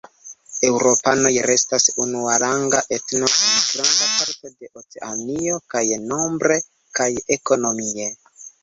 Eŭropanoj restas unuaranga etno en granda parto de Oceanio, kaj nombre kaj ekonomie.